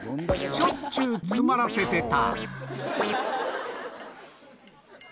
しょっちゅう詰まらせてた。